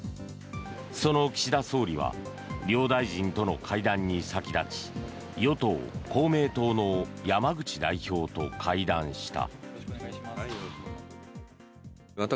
その岸田総理は両大臣との会談に先立ち与党・公明党の山口代表と会談した。